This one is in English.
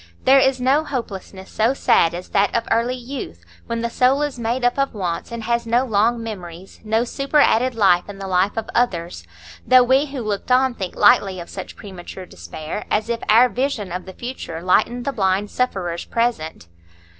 There is no hopelessness so sad as that of early youth, when the soul is made up of wants, and has no long memories, no superadded life in the life of others; though we who looked on think lightly of such premature despair, as if our vision of the future lightened the blind sufferer's present.